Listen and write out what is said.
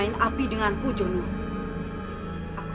diga licin mohon perubahan